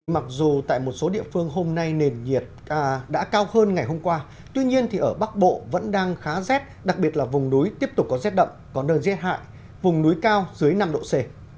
mặc dù tại một số địa phương hôm nay nền nhiệt đã cao hơn ngày hôm qua tuy nhiên ở bắc bộ vẫn đang khá rét đặc biệt là vùng núi tiếp tục có rét đậm có nơi rét hại vùng núi cao dưới năm độ c